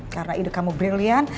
karena hidup kamu brilliant